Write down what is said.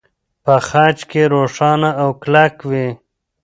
په خج کې روښانه او کلک وي.